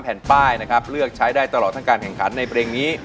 แผ่นป้ายนะครับเลือกใช้ได้ตลอดทั้งการแข่งขันในเพลงนี้